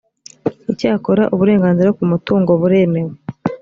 icyakora uburenganzira ku mutungo buremewe